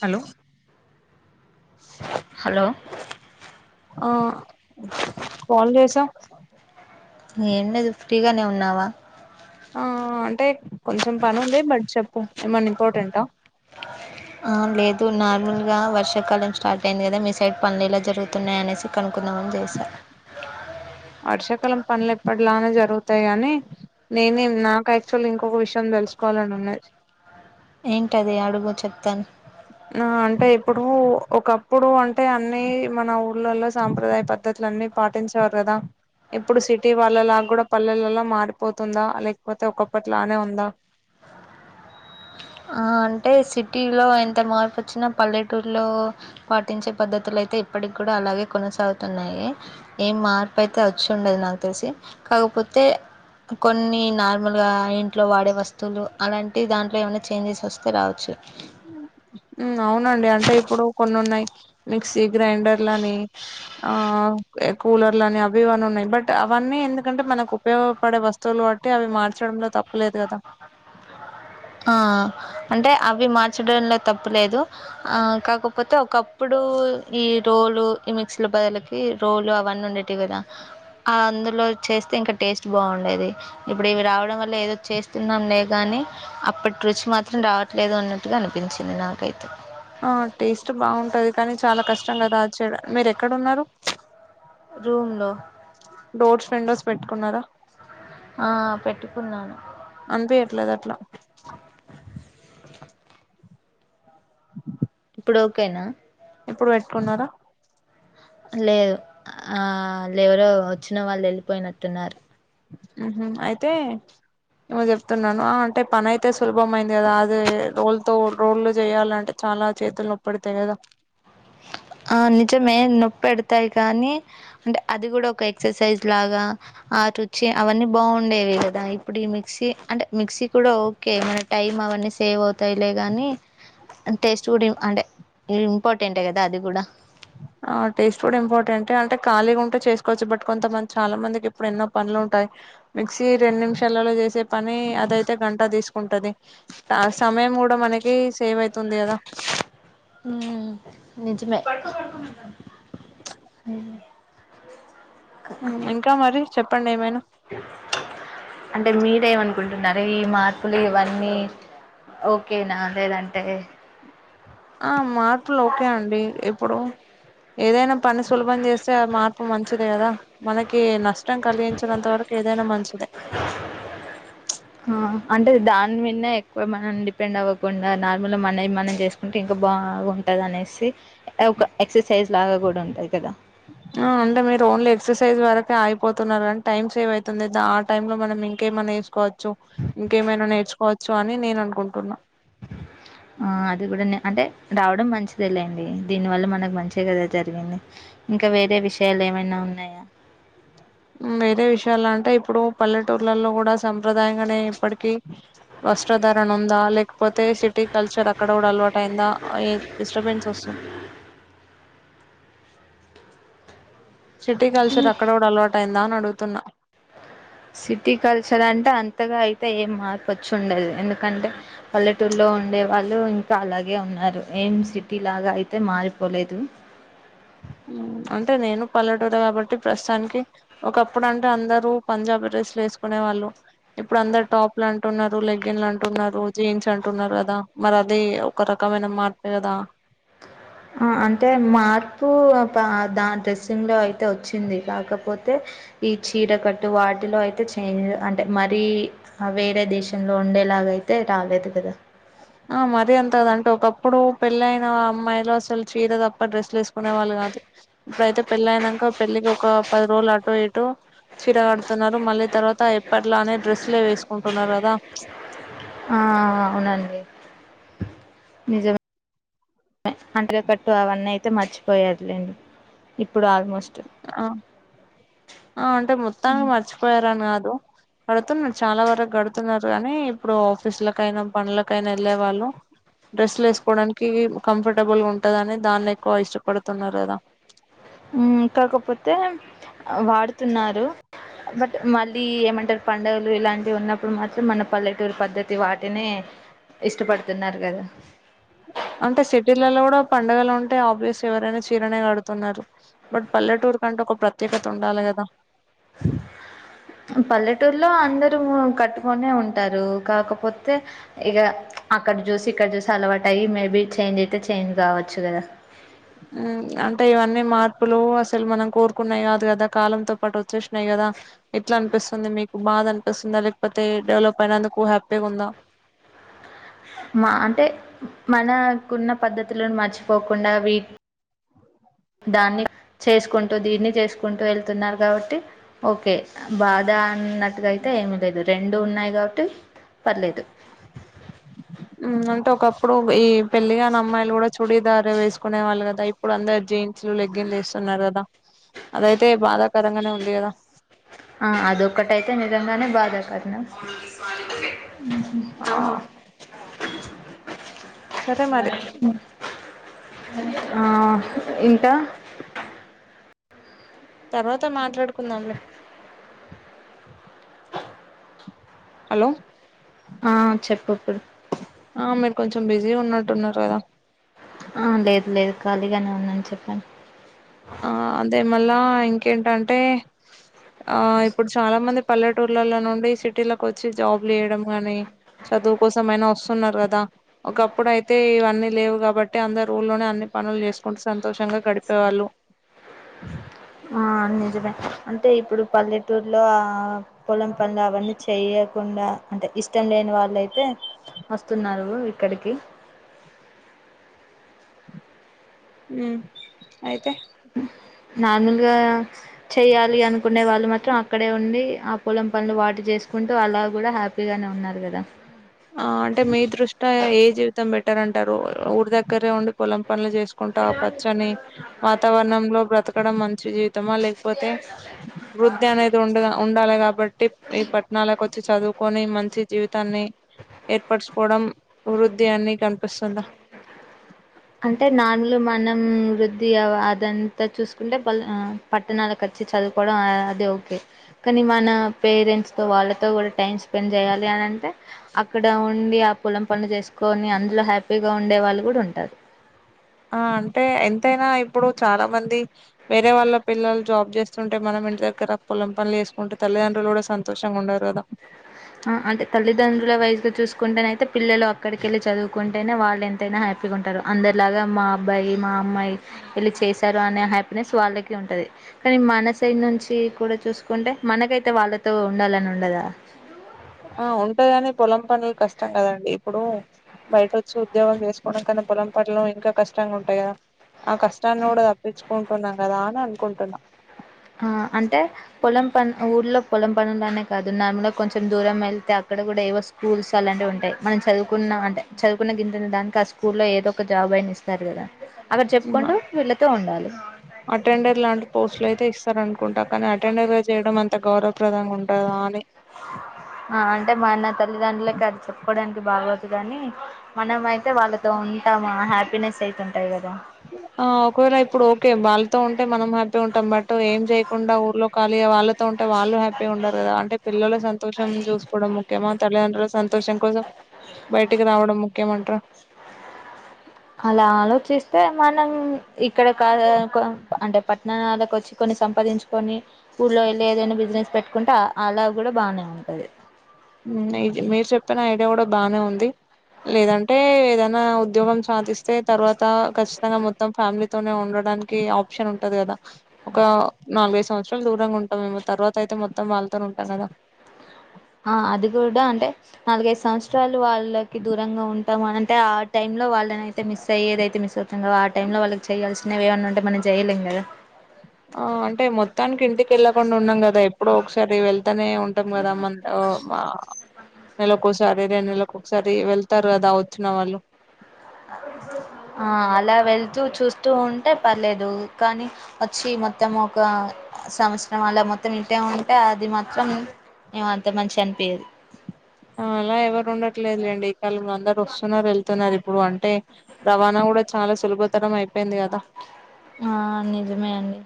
hello hello ఆ call చేసా ఏం లేదు ఫ్రీగానే ఉన్నావా ఆ అంటే కొంచెం పనుంది బట్ చెప్పు ఏమన్న్ ఇంపార్టెంటా ఆ లేదు నార్మల్గా వర్షాకాలం స్టార్ట్ అయింది గదా మీ సైడ్ పన్లెలా జరుగుతున్నాయి అనేసి కనుక్ నవున్ జేశా వర్షాకాలం పనులు ఎప్పటిలానే జరుగుతాయి కాని నేనే నాకు యాక్చువల్ ఇంకొక విషయం తెలుసుకో కోవాలానున్నది ఏంటది అడుగు చెప్తాను ఆ అంటే ఇప్పుడు ఒకప్పుడు అంటే అన్ని మన ఊర్లల్లో సాంప్రదాయ పద్దతులు అన్ని పా పాటించే వారుకదా ఇప్పుడు సిటీ వాళ్ళలాగా కూడా పల్లెల్లలో మారిపోతుందా లేకపోతే ఒకప్పటిలానే ఉందా ఆ అంటే సిటీలో ఎంత మార్పు వచ్చినా పల్లెటూర్లో పాటించే పద్దతులు అయితే ఇప్పటికి కూడా అలాగే కొనసాగుతున్నాయి ఏం మార్పు అయితే వచ్చిండదు నాకు తెలిసి కాకపోతే కొన్ని నార్మల్ గా ఇంట్లో వాడే వస్తువులు అలాంటి దాంట్లో ఏమనా చేంజెస్ వస్తు స్తే రావచ్చు ఉ అవునండి అంటే ఇప్పుడు కొన్ని ఉన్నాయి మిక్సీ గ్రైండర్లని ఆ కూలర్లు అని అవి ఇవన్నీ ఉన్నాయి బట్ అవన్నీ ఎందుకంటే మనకు ఉపయోగపడే వస్తువులు కాబట్టి అవి మార్చడంలో తప్పలేదు కదా డంలో తప్పులేదు కాకపోతే ఒకప్పుడు ఈ రోలు ఈ మిక్సీలో బదులకి రోలు అవన్నీ ఉండేటివి కదా అందులో చేస్తే ఇంకా టేస్ట్ బాగుండేది ఇప్పుడు ఇవి రావడం వల్ల ఏదో చేస్తున్నాంలే కానీ అప్పటి రుచి మాత్రం రావట్లేదు అన్నట్టుగా అనిపించింది నాకైతే ఆ టేస్ట్ బాగుంటది కానీ చాలా కష్టం కదా అది చేయ మీరు ఎక్కడున్నారు రూములో డోర్స్ విండోస్ పెట్టుకున్నారా ఆ పెట్టుకున్నాను అనిపేట్లేదట్లా ఇప్పుడు ఓకేనా ఇప్పుడుపెట్టుకున్నారా లేదు ఆ ఎవరో వచ్చినా వాళ్ళు వెళ్ళిపోయినట్టున్నారు ఉ ఊ అయితే ఏమో చెప్తున్నాను అంటే పనితే సులభమైంది కదా అదే రోల్తో రోళ్లు చేయాలంటే చ చాల చేతులు నొప్పీడతాయి కదా ఆ నిజమే నొప్పీడతాయి కానీ అంటే అది కూడా ఒక ఎక్సర్సైజ్ లాగా ఆ రుచి అవన్నీ బాగుండేవి కదా ఇప్పుడు ఈ మిక్సీ అంటే మిక్సీ కూడా ఓకే మన టైమ్ అవన్నీ సేవ్ అవతవులే గాని టేస్ట్ కూడా అంటే ఇంపార్టెంట్ ఏ కదా అది గూడ అ ఆ టేస్ట్ కూడా ఇంపార్టెంట్ అంటే ఖాళీగా ఉంటే చేసుకోవచ్చు బట్ కొంతమంది చాలా మందికి ఇప్పుడు ఎన్నో పనులు ఉంటాయి మిక్సీ రెండు నిమిషాలలో చేసే పని అదైతే గంట తీసుకుంటది ఆ సమయం కూడా మనకి సేవ్ అవుతుంది కదా హుమ్ నిజమే అ ఇంకా మరి చెప్పండి ఏమైనా లేమనుకుంటున్నారు ఈ మార్పులు ఇవన్నీ ఓకేనా లేదంటే ఆ మార్పులు ఓకే అండి ఇప్పుడు ఏదైనా పని సులభం చేస్తే మార్పు మంచిది కదా మనకి నష్ నష్టం కలిగించినంత వరకు ఏదైనా మంచిదే ఆ అంటే దాని మీన్నే ఎక్కువ మనం డిపెండ్ అవ్వకుండా నార్మల్ మనవి మనం చేసుకుంటే ఇంకా బాగు ఉంటది అనేసి ఒక ఎక్సర్సైజ్ లాగ కూడా ఉంటది కదా [inaudible] అంటే మీరు ఓన్లీ ఎక్సర్సైజ్ వరకే అయిపోతున్నారు టైం సేవ్ అవుతుంది ఆ టైమ్ లో మనం ఇంకేమైన్నా ఏసుకోవ చు ఇంకేమైనా నేర్చుకోవచ్చు అని నేను అనుకుంటున్నా ఆ అది కూడ అంటే రావడం మంచిదే లేండి దీని వల్ల మనకు మంచే కదా జరిగింది ఇంకా వేరే విషయాలు ఏమైన ఉన్నాయ [inaudible] వేరే విషయాల అంటే ఇప్పుడు పల్లెటూర్లలో కూడ సంప్రదాయం గానే ఇప్పటికీ వస్త్రధరణ ఉందా లేకపోతే సిటీ కల్చర్ అక్కడ కూడ అలవాటు అయిందా ఏ డిస్టర్బెన్స్ వస్తుం [inaudible] సిటీ కల్చర్ అక్కడ కూడ అలవాటు అయిందా అని అడుగుతున్నా సిటీ కల్చర్ అంటే అంతగా అయితే ఏం మార్పు వచ్చిండదు ఎందుకంటే పల్లెటూర్లో ఉండే వాళ్ళు ఇంకా అలాగే ఉన్నారు ఏం సిటీ లాగ అయితే మారిపోలేదు [inaudible] అంటే నేను పల్లెటూరు కాబట్టి ప్రస్తుతానికి ఒకప్పుడు అంటే అందరూ పంజాబీ డ్రెస్లు వేసుకునే వాళ్ళు ఇప్పుడు అందరు టాప్లు అంటున్నారు లెగ్న్లు అంటున్నారు జీన్స్ అంటున్నారు కదా మరి అది ఒక రకమైన మార్పే కదా ఆ అంటే మా దా డ్రెస్సింగ్ లో అయితే వచ్చింది కాకపోతే ఈ చీరకట్టు వాటిలో అయితే చేంజ్ అంటే మరీ వేరే దేశంలో ఉండేలాగ అయితే రాలేదు కదా ఆ మరీ అంత కద అంటే ఒకప్పుడు పెళ్ళ అయిన అమ్మాయిలు అసలు చీర తప్ప డ్రెస్లు వేసుకునే వాళ్ళు కాదు ఇప్పుడయితే పెళ్లి అయినాక పెళ్లికి ఒక పది రోజులు అటో ఇతో చీర కడుతున్నారు మళ్ళీ తర్వాత ఎప్పట్లనే డ్రస్లే వేసుకుంటున్నారు కదా ఆ అవునండి నిజ అంటకట్టు అవన్నీ అయితే మర్చిపోయారులేండి ఇప్పుడు ఆల్మోస్ట్ ఆ అంటే మొత్తానికి మర్చిపోయార అని కా కడుతున్నారు చాలా వరకు కడుతున్నారు కానీ ఇప్పుడు ఆఫీసులకైనా పనులకైనా వెళ్ళే వాళ్ళు డ్రెస్సులు ఏసుకోవడానికి కంఫర్టబుల్ గా ఉంటదని దాన్ని ఎక్కువ ఇష్టపడుతున్నారు కదా ఊ కాకపోతే వాడుతున్నారు బట్ మళ్ళీ ఏమంటారు పండుగలు ఇలాంటివి ఉన్నప్పుడు మాత్రం మన పల్లెటూరు పద్ధతి వాటినే ఇష్టపడుతున్నారు కదా అంటే సిటీలలో కూడా పండగలు ఉంటే ఆబియస్ ఎవరైనా చీరనే కడుతున్నారు బట్ పల్లెటూరు కం ఒక ప్రత్యేకత ఉండాలి కదా పల్లెటూరులో అందరూ కట్టుకొనే ఉంటారు కాకపోతే ఇగ అక్కడ చూసి ఇక్కడ చూసి అలవాటు అయ్యి మేబీ చేంజ్ అయితే చేంజ్ కావచ్చు గద ఉ అంటే ఇవన్నీ మార్పులు అసలు మనం కోరుకున్నాయి కాదు కదా కాలంతో పాటు వచ్చేసినాయి గదా ఎట్లా అనిపిస్తుంది మీకు బాధ అనిపిస్తుందా లేకపోతే డెవలప్ అయినందుకు హ్యాపీగా ఉంద మా అంటే మనకున్న పద్ధతులను మర్చిపోకుండ వీ దాన్ని చేసుకుంటూ దీన్ని చేసుకుంతు వెళ్తున్నారు కాబట్టి ఓకే [unintelligible] దాన్నట్టుగా అయితే ఏమి లేదు రెండు ఉన్నాయి కాబట్టి పర్లేదు ఊ అంటే ఒకప్పుడు ఈ పెళ్లి గాని అమ్మాయిలు కూడా చుడీదార్ వేసుకునే వాళ్ళు గదా ఇప్పుడు అందరు జీన్ సు లెగ్గిన్ లు వేస్తున్నారు గదా అదయితే బాధాకరంగానే ఉంది గదా ఆ అదొక్కటైతే నిజంగానే బాధ కరణం ఆ అహా సరే మరి ఆ ఇంకా తర్వాత మాట్లాడుకుందాం లే హలో ఆ చెప్పు ఇప్పుడు ఆ మేం కొంచెం బిజీ ఉన్నట్టున్నారు గదా ఆ లేదు లేదు ఖాళీగానే ఉన్నాను చెప్పండి ఆ అదే మళ్ళా ఇంకేంటంటే ఆ ఇప్పుడు చాలా మంది పల్లెటూర్లలో నుండి సిటీలోకొచ్చి జాబ్ చేయడం గాని చదువు కోసమయినా వస్తున్నారు గదా ఒకప్పుడు అయితే ఇవన్నీ లేవు కాబట్టి అందరూ ఊళ్ళోనే అన్ని పనులు చేసుకుంటూ సంతోషంగా గడిపేవాళ్ళు ఆ నిజమే అంటే ఇప్పుడు పల్లెటూర్లో ఆ పొలం పనుల అవన్నీ చెయ కుండా అంటే ఇష్టం లేని వాళ్ళయితే వస్తున్నారు ఇక్కడికి ఉ అయితే నార్మల్గా చెయ్యాలి అనుకునే వాళ్ళు మాత్రం అక్కడే ఉండి ఆ పొలం పనులు వాటి చేసు కుంటూ అలా గూడా హ్యాపీగానే ఉన్నారు గదా ఆ అంటే మీ దృష్టా ఏ జీవితం బెటర్ అంటారు ఊరి దగ్గరే ఉండి పొలం పనులు చేసుకుంటా పచ్చని వాతావరణంలో బ్రతకడం అన్ జీవితమా లేకపోతే వృద్ధి అనేది ఉండ ఉండాలి గాబట్టి ఈ పట్టణాలకు వచ్చి చదువుకొని మంచి జీవితాన్ని ఏర్పరచుకోవడం వృద్ధి అన్ని కనిపిస్తుందా అంటే నార్మలు మనం వృద్ధి అవ్ అదంతా చూసుకుంటే పల్ పట్టణాల క చి చదువుకోవడం అది ఓకే కానీ మన పేరెంట్స్ తో వాళ్ళతో కూడా టైమ్ స్పెండ్ చేయాలి అనంటే అక్కడ ఉండి ఆ పొలం పనులు చేసుకొని అందులో హ్యాపీగా ఉండే వాళ్ళు కూడా ఉంటారు ఆ అంటే ఎంతైనా ఇప్పుడు చాలా మంది వేరే వాళ్ళ పిల్లలు జాబ్ చేస్తుంటే మనం ఇంటి దగ్గర పొలం పనులు చేసుకుంటే తల్ మీ లాంటోలు కూడా సంతోషంగా ఉండరు గదా ఆ అంటే తల్లిదండ్రుల వయసు చూసుకుంటే నయితే పిల్లలు అక్కడికెళ్ళి చదువుకుంటేనే వాళ్ళు ఎంతైనా హ్యాపీ హ్యాపీ గా ఉంటారు అందరిలాగా మా అబ్బాయి మా అమ్మాయి వెళ్ళి చేశారు అనే హ్యాపీనెస్ వాళ్ళకి ఉంటది కానీ మన సైడ్ నుంచి కూడా చూసుకుంటే మనకైతే వాళ్ళతో ఉండాలని ఉండదా ఆ ఉంటాగాని పొలం పనులు కష్టం కదండి ఇప్పుడు బయట వచ్చి ఉద్యోగం చేసుకోవడం కనీ పొలం పనులు ఇంకా కష్టంగా ఉంటాయి గదా ఆ కష్టాన్ని కూడా తప్పించుకుంటున్నం గదా అనుకుంటున్నా ఆ అంటే పొలం పను ఊర్లో పొలం పనులనే కాదు నార్మల్గా కొంచెం దూరం వెళ్తే అక్కడ క్కడ కూడా ఏవో స్కూల్స్ అలాంటివి అక్కడ అక్కడ కూడా ఏవో స్కూల్స్ అలాంటివి ఉంటాయి మనం చదువుకున్న అంటే చదువుకున్న గింతంత దానికి ఆ స్కూల్ లో ఏదో ఒక జాబ్ పైన ఇస్తారు కదా అక్కడ ఉమ్మ చెప్పుకుంటూ వీళ్ళతో ఉండాలి అటెండర్ లాంటి పోస్ట్లు అయితే ఇస్త్ ఇస్తరనుకుంటా కానీ అటెండర్ గా చేయడం అంత గౌరవప్రదంగా ఉంటదా అని ఆ అంటే మన తల్లిదండ్రులకి అది చెప్పుకోవడానికి బాగోదు గాని మనం అయితే వాళ్ళతో ఉంటాము ఆ హ్యాపీనెస్ అయితే ఉంటాయి కదా ఆ ఒకవేళ ఇప్పుడు ఓకే వాళ్ళతో ఉంటే మనం హ్యాపీగా ఉంటాం బట్టు ఏం చేయ కొండా ఊర్లో కాలియివ ళు తు టవాళ్ళు హ్యాపీగా ఉండరు కదా అంటే పిల్లలు సంతోషం చూసుకోవడం ముఖ్యమా తల్లిదండ్రు సం సంతోషం కోసం బయటికి రావడం ముఖ్యమంట్ర అలా ఆలోచిస్తే మనం ఇక్కడ కా అంటే పట్టణాలకు వచ్చి కొన్ని సంపాదించుకొని ఊళ్ళో వెళ్ళి ఏదైనా బిజినెస్ పెట్టుకుంటే అలా కూడా బానే ఉంటది మీరు చెప్పిన ఐడియా కూడా బానే ఉంది లేదంటే ఏదైనా ఉద్యోగం సాధిస్త్ సాదిస్తే తర్వాత ఖచ్చితంగా మొత్తం ఫ్యామిలీ ఉండడానికి ఆప్షన్ ఉంటది కదా ఒక నాలుగైదు సంవత్సరాలు దూరంగా ఉంటాం మేమొ తర్వాత అయితే మొత్తం వాళ్ళతోనే ఉంటం కదా ఆ అది కూడా అంటే నాలుగైదు సంవత్సరాలు వాళ్ళకి దూరంగా ఉంటాం అంటే ఆ టైంలో వా వాళ్ళనయితే మిస్ అయ్యేదయితే మిస్ అవుతం కద ఆ టైం లో వాళ్ళకి చేయాల్సినవేవన్నుంటే మనం చేయలేం కదా ఆ అంటే మొత్త తనికి ఇంటికెళ్ళకుండా ఉన్నాం కదా ఎప్పుడ ఒకసారి వెళ్తనే ఉంటాం కదా మ నెలకోసారి రెండు నెలక్కొక్కసారి వెళ్తారు కదా వచ్చిన వాళ్ళు ఆ అలా వెళ్తూ చూస్తూ ఉంటే పర్లేదు కానీ వచ్చి మొత్తం ఒక సమస్ సంవత్సరం అల మొత్తం ఇటే ఉంటే అది మాత్రం ఎం అంత మంచిగనిపియ్యదు ఆ అలా ఎవరు ఉండట్లేదులేండి అందరు వస్తున్నారు వెళ్తున్నారు ఇప్పుడు అంటే రవాణా కూడా చాలా సులభ తరం అయిపోయింది కదా ఆ నిజమే అండి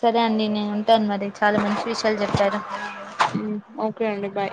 సరే అండి నేను ఉంటాను మరి చాలా మంచి విషయాలు చెప్పారు ఓకే అండి బాయ్